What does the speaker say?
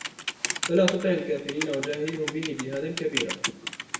فلا تطع الكافرين وجاهدهم به جهادا كبيرا